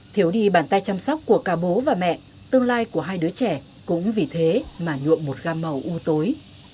thiếu đi bàn tay chăm sóc của cả bố và mẹ tương lai của hai đứa trẻ cũng vì thế mà nhuộm một gam màu u tối